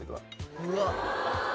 うわっ！